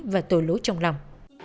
và tội lỗi trong lòng